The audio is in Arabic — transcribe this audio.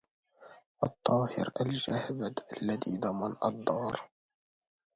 لطاهر الجهبذ الذي ضمن الدار